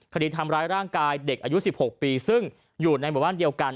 คดีทำร้ายร่างกายเด็กอายุ๑๖ปีซึ่งอยู่ในหมู่บ้านเดียวกัน